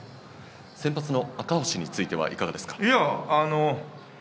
先発・赤星についてはいかがですか？